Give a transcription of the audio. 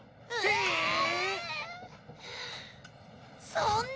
そんな。